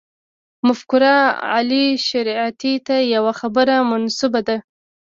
مفکر علي شریعیتي ته یوه خبره منسوبه ده.